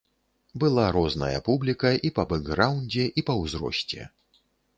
Была розная публіка, і па бэкграўндзе, і па ўзросце.